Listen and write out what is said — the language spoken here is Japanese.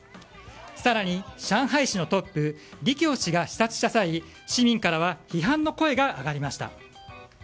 更に上海市のトップリ・キョウ氏が視察した際、市民からは批判の声が上がりました。